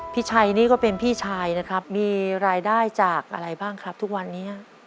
พี่ชัยนี่ก็เป็นพี่ชายนะครับมีรายได้จากอะไรบ้างครับทุกวันนี้